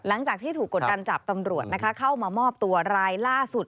หลังจากที่ถูกกดดันจับตำรวจนะคะเข้ามามอบตัวรายล่าสุด